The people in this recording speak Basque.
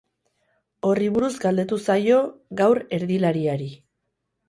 Horri buruz galdetu zaio gaur erdilariari.